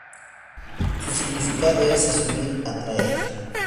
Su significado es "asumir, atraer".